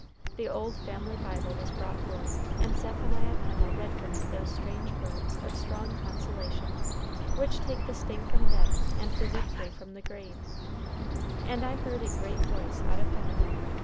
The old family Bible was brought forth, and Zephaniah Pennel read from it those strange words of strong consolation, which take the sting from death and the victory from the grave: "And I heard a great voice out of heaven.